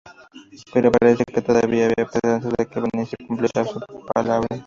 Pero parecía que todavía había esperanzas de que Venecia cumpliera con su palabra.